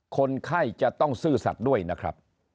คนไข้จะต้องซื่อสัตว์ด้วยนะครับ